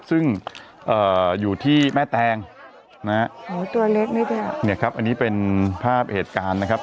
ซึ่งอยู่ที่แม่แตงนะฮะอันนี้เป็นภาพเหตุการณ์นะครับ